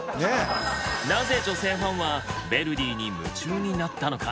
なぜ女性ファンはヴェルディに夢中になったのか。